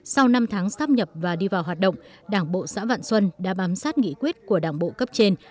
sau năm tháng sắp nhập và đi vào hoạt động đảng bộ xã vạn xuân đã bám sát nghị quyết của đảng bộ cấp trên